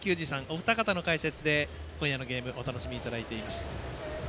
お二方の解説で今夜のゲームお楽しみいただいています。